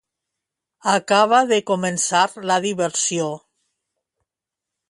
Acaba de començar la diversió.